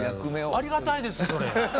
ありがたいですそれ。